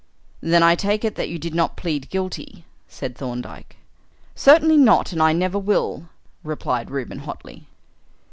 "Then I take it that you did not plead 'guilty'?" said Thorndyke. "Certainly not; and I never will," replied Reuben hotly.